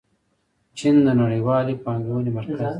چین د نړیوالې پانګونې مرکز دی.